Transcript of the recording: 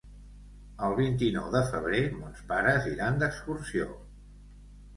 El vint-i-nou de febrer mons pares iran d'excursió.